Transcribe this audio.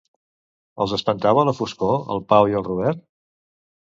Els espantava la foscor al Pau i al Robert?